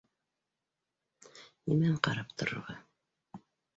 Нимәһен ҡарап торорға.